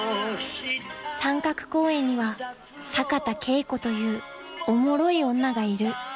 ［三角公園には坂田佳子というおもろい女がいる］